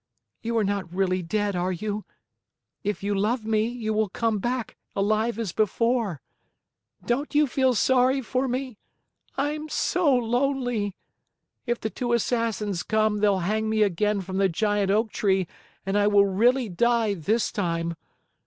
You are not really dead, are you? If you love me, you will come back, alive as before. Don't you feel sorry for me? I'm so lonely. If the two Assassins come, they'll hang me again from the giant oak tree and I will really die, this time.